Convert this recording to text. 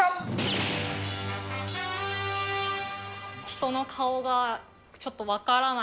人の顔が、ちょっと分からない